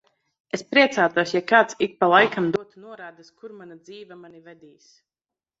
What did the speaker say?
Es priecātos, ja kāds ik pa laikam dotu norādes, kur mana dzīve mani vedīs.